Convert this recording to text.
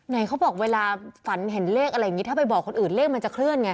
เขาบอกเวลาฝันเห็นเลขอะไรอย่างนี้ถ้าไปบอกคนอื่นเลขมันจะเคลื่อนไง